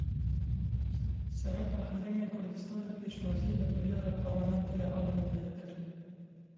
Serokê Herêma Kurdistanê pêşwazî li biryara Parlamentoya Almanyayê kir.